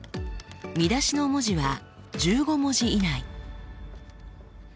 見出しの文字は１５文字以内。